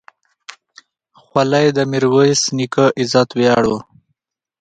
خولۍ د میرویس نیکه عزت ویاړ و.